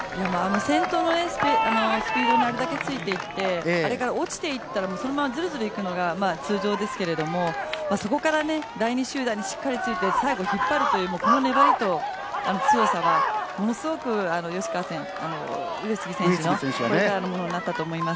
先頭のスピードにあれだけついていってあれから落ちていったらもうそのままずるずるいくのが通常ですけどもそこから第２集団にしっかりついて最後引っ張るというこの粘りと強さはものすごく上杉選手のこれからのものになったと思います。